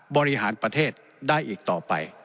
บริหารประเทศได้อีกต่อไป